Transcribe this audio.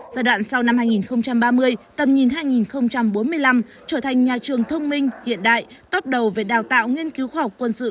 giai đoạn sau năm hai nghìn ba mươi tầm nhìn hai nghìn bốn mươi năm trở thành nhà trường thông minh hiện đại tốt đầu về đào tạo nghiên cứu khoa học quân sự